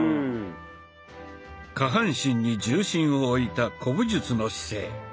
下半身に重心を置いた古武術の姿勢。